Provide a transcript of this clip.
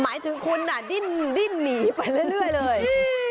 หมายถึงคุณดิ้นหนีไปเรื่อยเลย